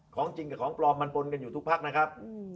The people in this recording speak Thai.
ของจริงกับของปลอมมันปนกันอยู่ทุกพักนะครับ